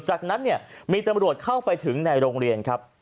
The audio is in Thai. จากนั้นเนี่ยมีตำรวจเข้าไปถึงในโรงเรียนครับ